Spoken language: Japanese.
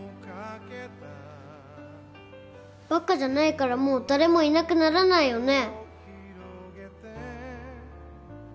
馬鹿じゃないからもう誰もいなくならないよね？